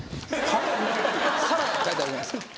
サラダって書いてあるじゃないですか。